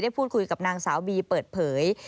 พูดคุยกับนางสาวบีเปิดเผย